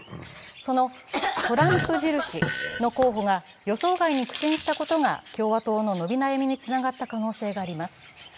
そのトランプ印の候補が予想外に苦戦したことが共和党の伸び悩みにつながった可能性があります。